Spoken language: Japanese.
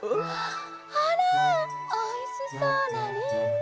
あらおいしそうなりんご。